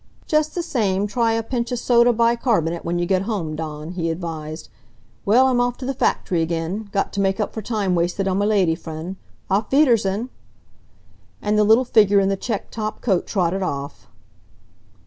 "Just the same, try a pinch of soda bicarb'nate when you get home, Dawn," he advised. "Well, I'm off to the factory again. Got t' make up for time wasted on m' lady friend. Auf wiedersehen!" And the little figure in the checked top coat trotted off.